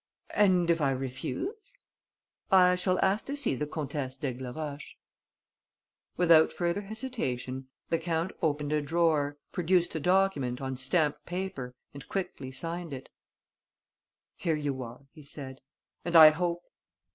"And if I refuse?..." "I shall ask to see the Comtesse d'Aigleroche." Without further hesitation, the count opened a drawer, produced a document on stamped paper and quickly signed it: "Here you are," he said, "and I hope...."